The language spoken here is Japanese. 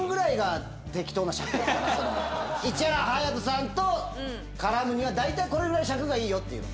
市原隼人さんと絡むにはだいたいこれぐらいの尺がいいよっていうの。